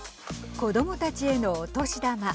子どもたちへのお年玉。